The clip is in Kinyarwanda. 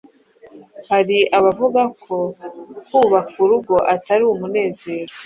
Hari abavuga ko kubaka urugo atari umunezero